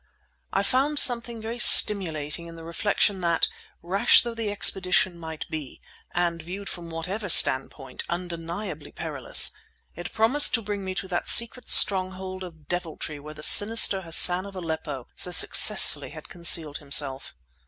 I found something very stimulating in the reflection that, rash though the expedition might be, and, viewed from whatever standpoint, undeniably perilous, it promised to bring me to that secret stronghold of deviltry where the sinister Hassan of Aleppo so successfully had concealed himself.